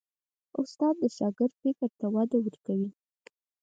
استاد د شاګرد فکر ته وده ورکوي.